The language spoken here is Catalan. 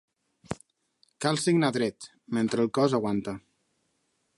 Cal signar dret, mentre el cos aguanta.